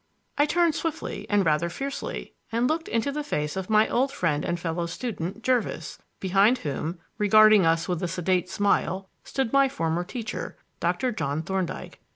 I turned swiftly and rather fiercely, and looked into the face of my old friend and fellow student, Jervis; behind whom, regarding us with a sedate smile, stood my former teacher, Dr. John Thorndyke.